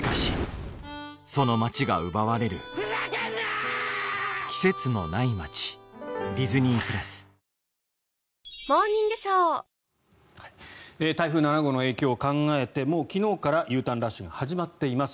いいじゃないだって台風７号の影響を考えてもう昨日からＵターンラッシュが始まっています。